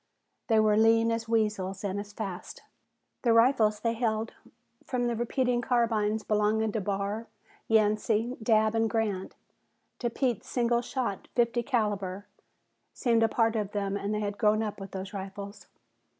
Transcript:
They were lean as weasels, and as fast. The rifles they held, from the repeating carbines belonging to Barr, Yancey, Dabb and Grant, to Pete's single shot fifty caliber, seemed a part of them and they had grown up with those rifles.